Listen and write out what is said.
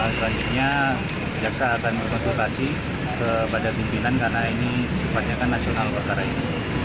selanjutnya jaksa akan berkonsultasi kepada pimpinan karena ini sifatnya kan nasional perkara ini